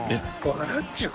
笑っちゃう。